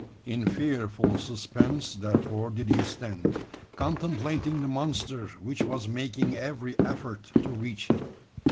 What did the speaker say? In fearful suspense, therefore, did he stand, contemplating the monster which was making every effort to reach him.